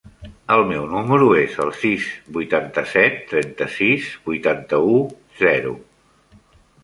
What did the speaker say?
El meu número es el sis, vuitanta-set, trenta-sis, vuitanta-u, zero.